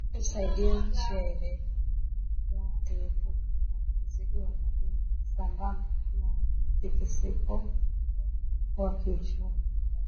kusaidia nchi ya ireland iepuke na mzigo wa madeni sambamba na mtikisiko wa kiuchumi